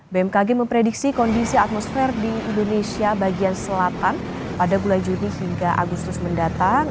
bmkg memprediksi kondisi atmosfer di indonesia bagian selatan pada bulan juni hingga agustus mendatang